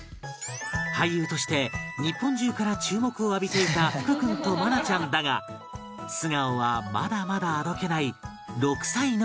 俳優として日本中から注目を浴びていた福君と愛菜ちゃんだが素顔はまだまだあどけない６歳の子ども